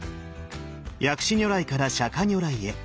薬師如来から釈如来へ。